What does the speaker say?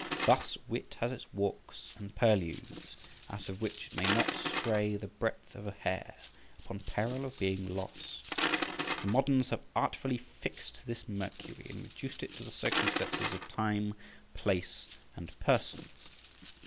Thus wit has its walks and purlieus, out of which it may not stray the breadth of a hair, upon peril of being lost. The moderns have artfully fixed this Mercury, and reduced it to the circumstances of time, place, and person.